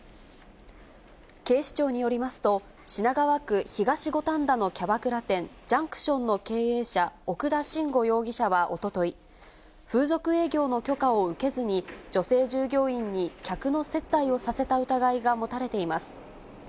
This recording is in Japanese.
警視庁によりますと、品川区東五反田のキャバクラ店、ジャンクションの経営者、奥田伸吾容疑者はおととい、風俗営業の許可を受けずに、女性従業員に客の接待をさせた疑いが持たれています。